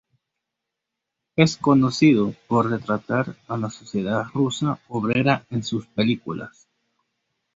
Es conocido por retratar a la sociedad rusa obrera en sus películas.